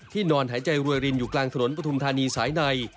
นอนหายใจรวยรินอยู่กลางถนนปฐุมธานีสายใน